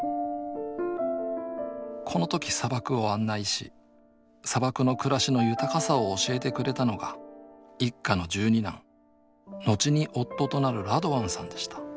この時砂漠を案内し砂漠の暮らしの豊かさを教えてくれたのが一家の十二男後に夫となるラドワンさんでした